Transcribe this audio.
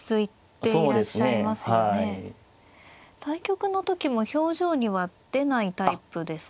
対局の時も表情には出ないタイプですか。